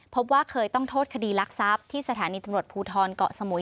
พบว่าเคยต้องโทษคดีรักทรัพย์ที่สถานีตำรวจภูทรเกาะสมุย